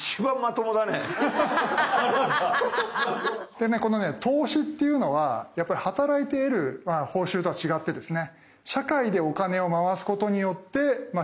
でねこの投資っていうのはやっぱり働いて得る報酬とは違ってですね